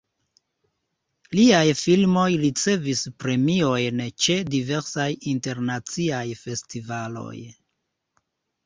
Liaj filmoj ricevis premiojn ĉe diversaj internaciaj festivaloj.